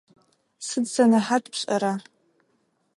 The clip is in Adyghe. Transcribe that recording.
Сыд сэнэхьат пшӏэра?